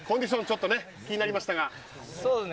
ちょっと気になりましたが。